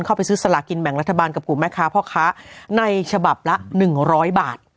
เข้าไปซื้อสลากินแบ่งรัฐบาลกับกลุ่มแม่ค้าพ่อค้าในฉบับละ๑๐๐บาท